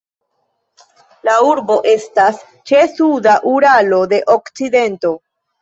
La urbo estas ĉe suda Uralo de okcidento.